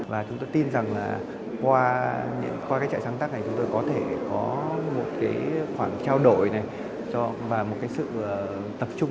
và chúng tôi tin rằng qua trại sáng tác này chúng tôi có thể có một khoảng trao đổi và một sự tập trung